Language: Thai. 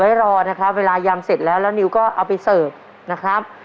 รอนะครับเวลายำเสร็จแล้วแล้วนิวก็เอาไปเสิร์ฟนะครับ